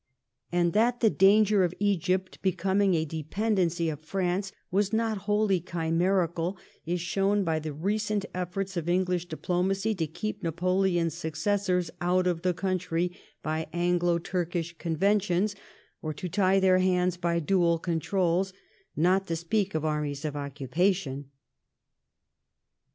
'^ And that the danger of Egypt becoming a dependency of France was not wholly chimerical, is ishown by the recent efforts of English diplomacy to keep Napoleon's successors out of the country by Anglo Turkish conventions, or to tie their hands by Dual Controls, not to speak of armies of occupation* 182 LIFE OF VISCOUNT PALMEB8T0N.